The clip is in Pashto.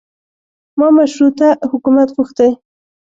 ما مشروطه حکومت غوښتی.